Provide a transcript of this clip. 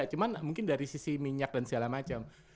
cuma mungkin dari sisi minyak dan segala macam